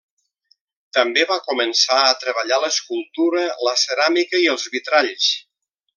També va començar a treballar l'escultura, la ceràmica i els vitralls.